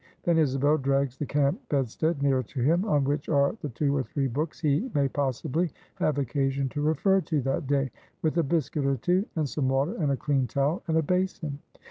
Then Isabel drags the camp bedstead nearer to him, on which are the two or three books he may possibly have occasion to refer to that day, with a biscuit or two, and some water, and a clean towel, and a basin.